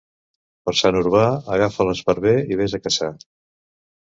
Per Sant Urbà agafa l'esparver i ves a caçar.